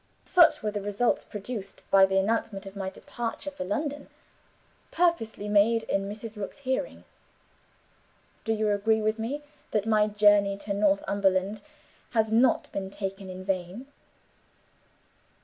Such were the results produced by the announcement of my departure for London purposely made in Mrs. Rook's hearing. Do you agree with me, that my journey to Northumberland has not been taken in vain?"